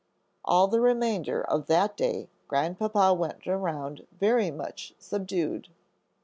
All the remainder of that day Grandpapa went around very much subdued.